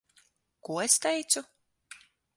Ko es teicu?